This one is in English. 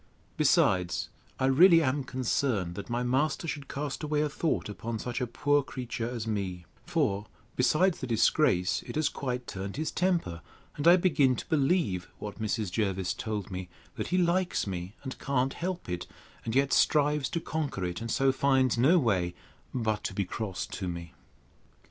Besides, I really am concerned, that my master should cast away a thought upon such a poor creature as me; for, besides the disgrace, it has quite turned his temper; and I begin to believe what Mrs. Jervis told me, that he likes me, and can't help it; and yet strives to conquer it; and so finds no way but to be cross to me.